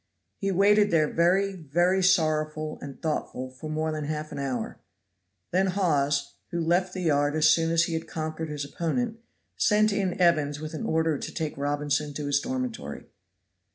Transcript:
He waited there very, very sorrowful and thoughtful for more than half an hour. Then Hawes, who left the yard as soon as he had conquered his opponent, sent in Evans with an order to take Robinson to his dormitory.